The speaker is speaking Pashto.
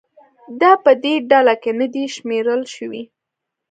دا په دې ډله کې نه دي شمېرل شوي.